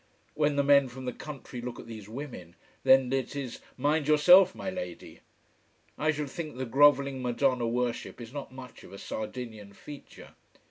When the men from the country look at these women, then it is Mind yourself, my lady. I should think the grovelling Madonna worship is not much of a Sardinian feature.